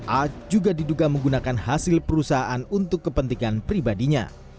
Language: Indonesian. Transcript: a juga diduga menggunakan hasil perusahaan untuk kepentingan pribadinya